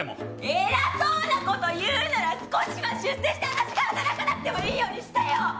偉そうなこと言うなら少しは出世して私が働かなくてもいいようにしてよ！